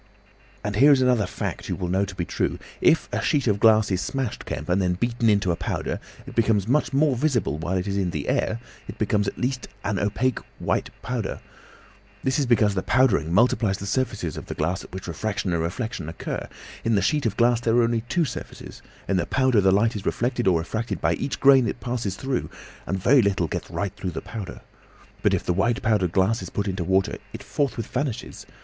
"And here is another fact you will know to be true. If a sheet of glass is smashed, Kemp, and beaten into a powder, it becomes much more visible while it is in the air; it becomes at last an opaque white powder. This is because the powdering multiplies the surfaces of the glass at which refraction and reflection occur. In the sheet of glass there are only two surfaces; in the powder the light is reflected or refracted by each grain it passes through, and very little gets right through the powder. But if the white powdered glass is put into water, it forthwith vanishes.